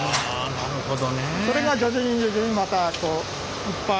なるほど。